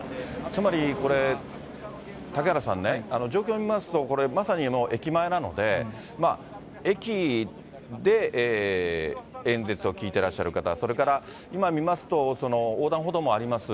つまりこれ、嵩原さんね、状況見ますと、これ、まさに駅前なので、駅で演説を聞いてらっしゃる方、それから今見ますと、横断歩道もあります。